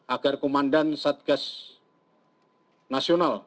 agar komandan satgas nasional